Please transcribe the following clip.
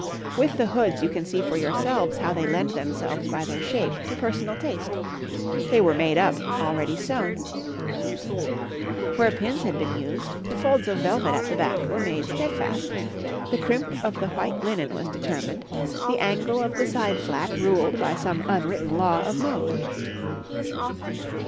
With the hoods you can see for yourselves how they lend themselves by their shape to personal taste; they were made up, all ready sewn; where pins had been used, the folds of velvet at the back were made steadfast, the crimp of the white linen was determined, the angle of the side flap ruled by some unwritten law of mode.